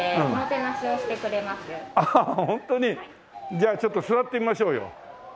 じゃあちょっと座ってみましょうよねっ。